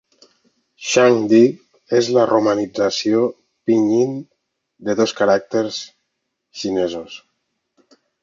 "Shang Di" és la romanització pinyin de dos caràcters xinesos.